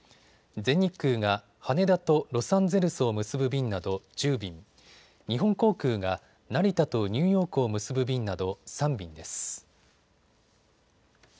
全日空が羽田とロサンゼルスを結ぶ便など１０便、日本航空が成田とニューヨークを結ぶ便など３便です。